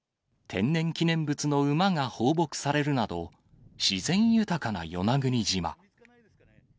天然記念物の馬が放牧されるなど、自然豊かな与那国島。